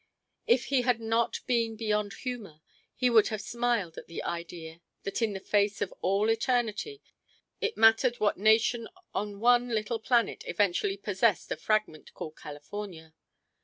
If he had not been beyond humor, he would have smiled at the idea that in the face of all eternity it mattered what nation on one little planet eventually possessed a fragment called California.